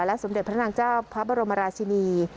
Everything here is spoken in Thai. สมเด็จพระนางเจ้าพระบรมราชินี